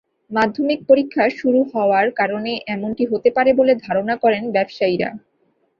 মাধ্যমিক পরীক্ষা শুরু হওয়ার কারণে এমনটি হতে পারে বলে ধারণা করেন ব্যবসায়ীরা।